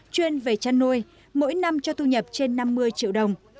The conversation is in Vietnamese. chuyên về chăn nuôi mỗi năm cho thu nhập trên năm mươi triệu đồng